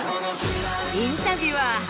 インタビュアー